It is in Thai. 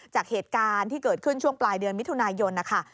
จากเหตุการณ์ที่เกิดขึ้นช่วงปลายเดือนมิถุนายนนะคะ